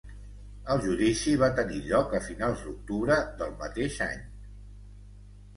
El judici va tenir lloc a finals d'octubre del mateix any.